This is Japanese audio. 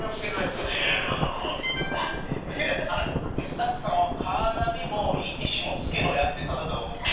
スタッフさんはカーナビもＥＴＣも付けろやってただただ思ってる。